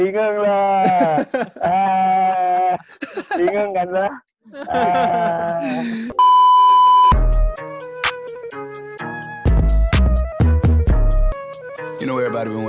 karena dia istri gue